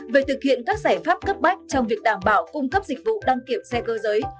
về thực hiện các giải pháp cấp bách trong việc đảm bảo cung cấp dịch vụ đăng kiểm xe cơ giới